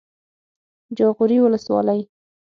جاغوري ولسوالۍ